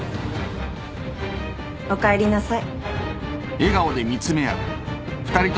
おかえりなさい。